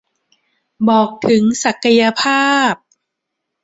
บอกถึงศักยภาพ